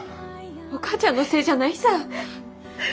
お母ちゃんのせいじゃないさ。